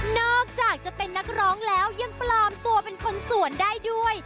อกจากจะเป็นนักร้องแล้วยังปลอมตัวเป็นคนสวนได้ด้วย